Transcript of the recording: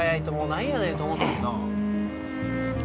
何やねんと思ってたけど。